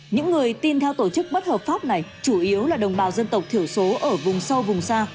những người tin theo tổ chức bất hợp pháp này chủ yếu là đồng bào dân tộc thiểu số ở vùng sâu vùng xa